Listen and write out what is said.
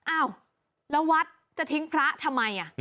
อ้าวแล้ววัดจะทิ้งพระทำไม